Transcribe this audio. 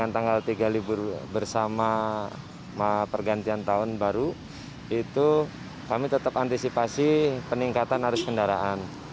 tanggal tiga libur bersama pergantian tahun baru itu kami tetap antisipasi peningkatan arus kendaraan